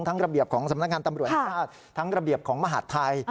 ระเบียบของสำนักงานตำรวจแห่งชาติทั้งระเบียบของมหาดไทย